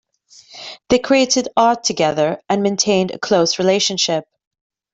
They created art together, and maintained a close relationship.